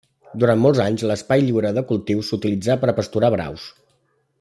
Durant molts anys l'espai lliure de cultius s'utilitzà per a pasturar braus.